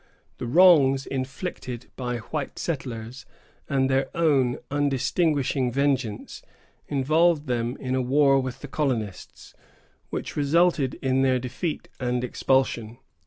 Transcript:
The wrongs inflicted by white settlers, and their own undistinguishing vengeance, involved them in a war with the colonists, which resulted in their defeat and expulsion.